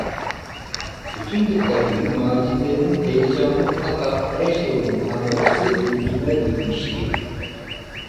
Bütün dikkatini Macide’nin heyecanlı fakat her şeyden habersiz yüzüne dikmişti.